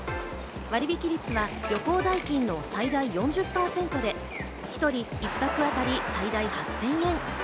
割引率は旅行代金の最大４０％で、１人一泊あたり最大８０００円。